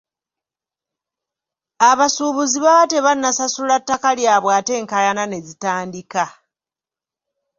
Abasuubuzi baba tebannasasula ttaka lyabwe ate enkaayana ne zitandika.